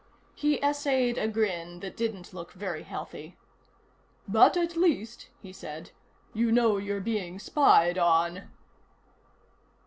He essayed a grin that didn't look very healthy. "But at least," he said, "you know you're being spied on."